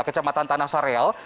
ke jembatan tanah sareal